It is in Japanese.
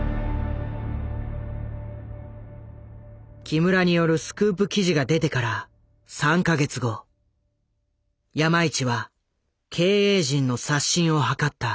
木村によるスクープ記事が出てから３か月後山一は経営陣の刷新を図った。